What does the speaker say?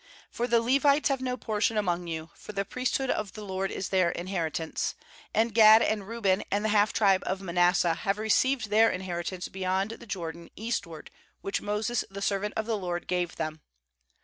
Tor the Levites have no portion among you, for the priest hood of the LORD is their inheritance; and Gad and Reuben and the half tribe of Manasseh have received their inheritance beyond the Jordan east ward, which Moses the servant of the LORD gave them.'